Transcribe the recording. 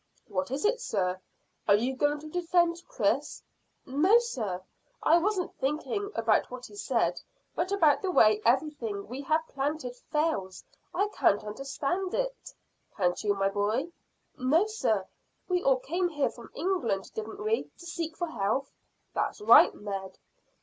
"What is it, sir? Are you going to defend Chris?" "No, sir; I wasn't thinking about what he said, but about the way everything we have planted fails. I can't understand it." "Can't you, my boy?" "No, sir. We all came here from England, didn't we, to seek for health?" "That's right, Ned."